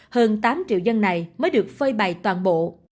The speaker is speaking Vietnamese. hơn tám triệu dân này mới được phơi bày toàn bộ